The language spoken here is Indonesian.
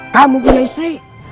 kamu punya istri